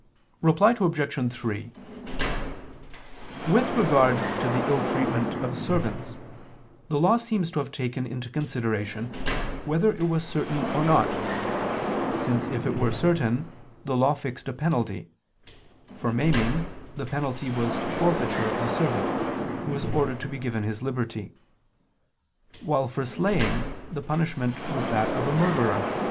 Reply Obj. 3: With regard to the ill treatment of servants, the Law seems to have taken into consideration whether it was certain or not: since if it were certain, the Law fixed a penalty: for maiming, the penalty was forfeiture of the servant, who was ordered to be given his liberty: while for slaying, the punishment was that of a murderer, when the slave died under the blow of his master.